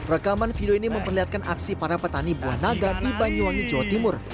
rekaman video ini memperlihatkan aksi para petani buah naga di banyuwangi jawa timur